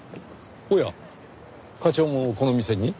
おや課長もこの店に？